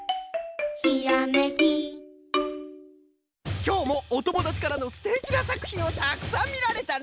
きょうもおともだちからのすてきなさくひんをたくさんみられたの！